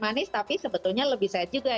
manis tapi sebetulnya lebih sehat juga